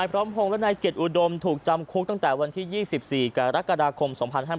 ไหนพร้อมพงษ์และนายเกียรติอยุดมทรงสมภาษาถูกจำคุกตั้งแต่วันที่๒๔กรกฎาคม๒๕๕๘